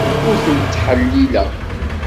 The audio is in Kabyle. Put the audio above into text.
Ur tent-ttḥellileɣ.